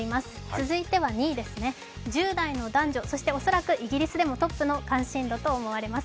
続いては２位ですね１０代の男女そして恐らくイギリスでもトップの関心度の話題だと思います。